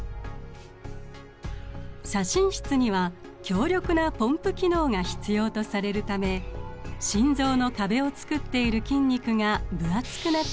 左心室には強力なポンプ機能が必要とされるため心臓の壁を作っている筋肉が分厚くなっています。